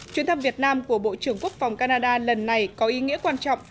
chuyến thăm việt nam của bộ trưởng quốc phòng canada lần này có ý nghĩa quan trọng